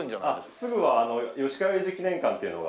すぐは吉川英治記念館というのが。